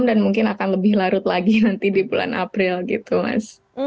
dan mungkin akan lebih larut lagi nanti di bulan april gitu mas